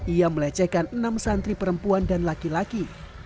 ia melecehkan enam santri perempuan dan laki laki